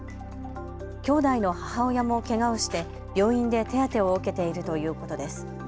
兄弟の母親もけがをして病院で手当てを受けているということです。